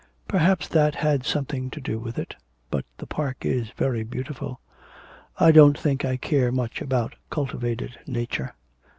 'Perhaps that had something to do with it. But the park is very beautiful.' 'I don't think I care much about cultivated nature.'